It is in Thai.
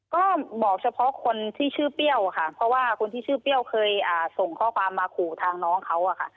ก็บอกเฉพาะคนที่ชื่อเปรี้ยวค่ะเพราะว่าคนที่ชื่อเปรี้ยวเคยส่งข้อความมาขู่ทางน้องเขาอะค่ะ